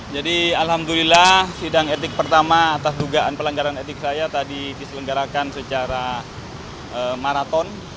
jadi alhamdulillah sidang etik pertama atas dugaan pelanggaran etik saya tadi diselenggarakan secara maraton